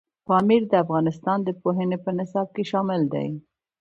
پامیر د افغانستان د پوهنې په نصاب کې شامل دی.